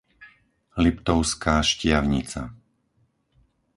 Liptovská Štiavnica